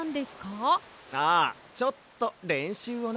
ああちょっとれんしゅうをね。